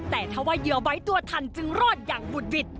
แต่ถ้าว่าเหยื่อไว้ตัวทันจึงรอดอย่างบุดหวิด